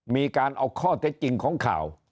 มีการเอาข้อเท็จจริงของข่าว